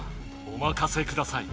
おまかせください。